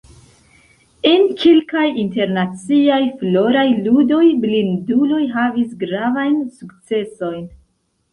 En kelkaj Internaciaj Floraj Ludoj blinduloj havis gravajn sukcesojn.